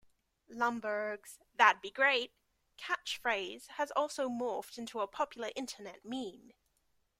Lumbergh's "that'd be great" catchphrase has also morphed into a popular internet meme.